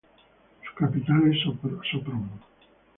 Su capital es Sopron.